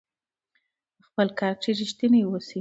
په خپل کار کې ریښتیني اوسئ.